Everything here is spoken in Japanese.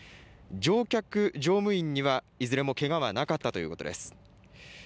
乗客、乗務員にはいずれもけがはなかったということです。